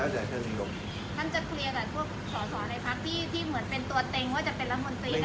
อ้าวก็เรื่องของนายก